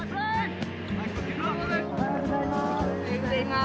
・おはようございます！